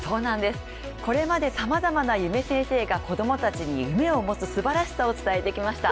これまでさまざまな夢先生が子供たちに夢を持つ素晴らしさを伝えてきました。